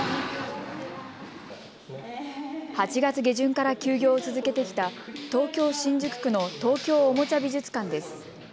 ８月下旬から休業を続けてきた東京新宿区の東京おもちゃ美術館です。